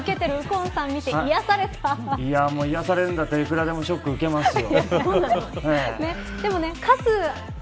癒やされるんだったらいくらでもショック受けますよ。